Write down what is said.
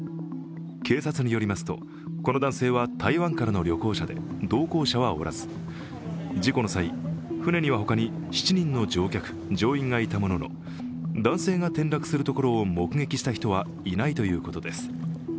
警察によりますと、この男性は台湾からの旅行者で同行者はおらず事故の際、船には他に７人の乗客・乗員がいたものの男性が転落するところを目撃した人はいないということです。